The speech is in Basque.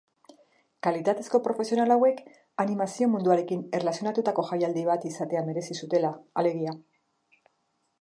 Kalitatezko profesional hauek animazio munduarekin erlazionatutako jaialdi bat izatea merezi zutela, alegia.